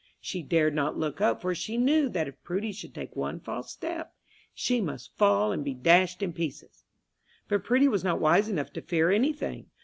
She dared not look up, for she knew that if Prudy should take one false step, she must fall and be dashed in pieces! But Prudy was not wise enough to fear any thing.